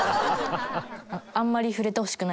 あんまり触れてほしくないです。